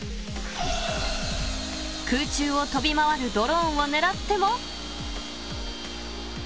［空中を飛び回るドローンを狙っても］